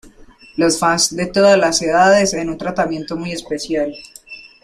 Los fans de todas las edades en un tratamiento muy especial!".